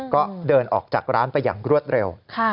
ก็เดินออกจากร้านไปอย่างรวดเร็ว